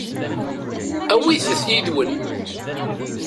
Awit-t yid-wen.